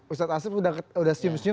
ustadz asyaf sudah senyum senyum